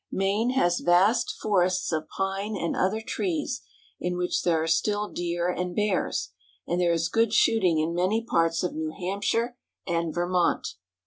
Maine has vast forests of pine and other trees, in which there are still deer and bears, and there is good shooting in many parts of New Hampshire and Vermont.